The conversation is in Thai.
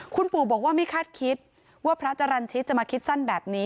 คุณปู่บอกว่าไม่คาดคิดว่าพระจรรย์ชิตจะมาคิดสั้นแบบนี้